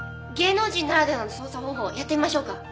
芸能人ならではの捜査方法やってみましょうか？